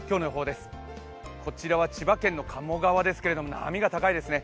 こちらは千葉県の鴨川ですけど波が高いですね